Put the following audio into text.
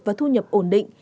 và thu nhập ổn định